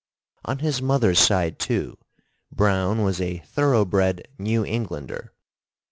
On his mother's side, too, Browne was a thorough bred New Englander.